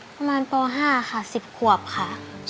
ประมาณป๕ค่ะ๑๐ขวบค่ะ